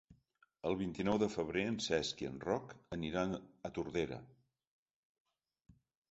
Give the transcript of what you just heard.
El vint-i-nou de febrer en Cesc i en Roc aniran a Tordera.